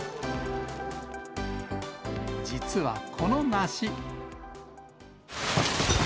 実はこの梨。